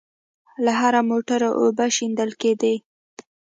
له هره موټره اوبه شېندل کېدې.